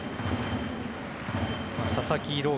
佐々木朗